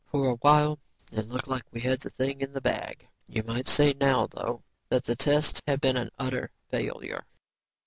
"For a while, it looked like we had it in the bag," Peterson said. "You might say now, though, that the tests have been an udder failure."